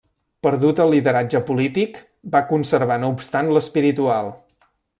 Perdut el lideratge polític, va conservar no obstant l'espiritual.